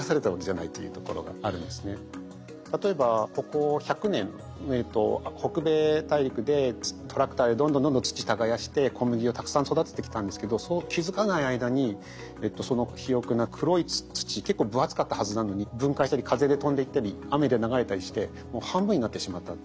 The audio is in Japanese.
別に例えばここ１００年北米大陸でトラクターでどんどんどんどん土耕して小麦をたくさん育ててきたんですけど気付かない間にその肥沃な黒い土結構分厚かったはずなのに分解したり風で飛んでいったり雨で流れたりしてもう半分になってしまったって。